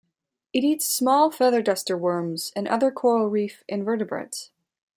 It eats small feather duster worms and other coral reef invertebrates.